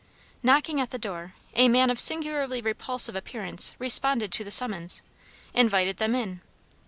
Knocking at the door, a man of singularly repulsive appearance responded to the summons invited them in.